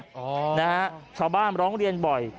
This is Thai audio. อ๋อนะฮะชาวบ้านร้องเรียนบ่อย